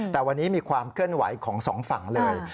แต่วันนี้มีความเคลื่อนไหวของสองฝั่งเลย